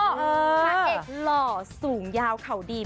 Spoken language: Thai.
ค่ะเอกหล่อสูงยาวเข่าดี